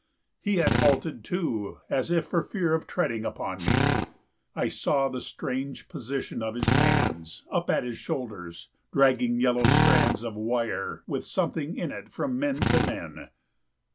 He had halted too, As if for fear of treading upon me. I saw the strange position of his hands Up at his shoulders, dragging yellow strands Of wire with something in it from men to men.